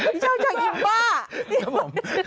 พี่เช่าจะกินแบบบ้า